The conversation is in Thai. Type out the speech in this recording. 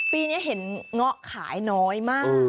ปีนี้เห็นเงาะขายน้อยมาก